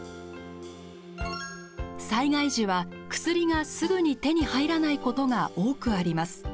災害時は、薬がすぐに手に入らないことが多くあります。